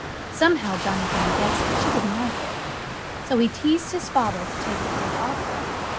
Somehow Johnnie Green guessed that she didn't like it. So he teased his father to take the poke off her.